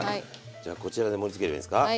じゃあこちらで盛りつければいいんですか？